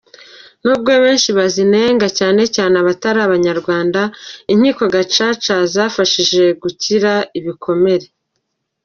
N’ubwo benshi bazinenga cyane cyane cyane abatari abanyarwanda, inkiko Gacaca zadufashije gukira ibikomere.